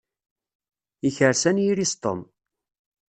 Yekres anyir-is Tom.